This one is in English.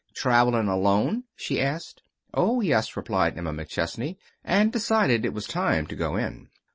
"Travelin' alone?" she asked. "Oh, yes," replied Emma McChesney, and decided it was time to go in.